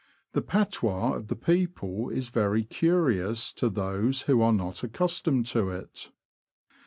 The patois of the people is very curious to those who are not accustomed to it.